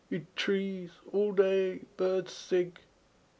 Id trees All day Birds sig.